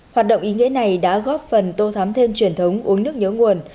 hoạt động ý nghĩa này đã góp phần tô thắm thêm truyền thống uống nước nhớ nguồn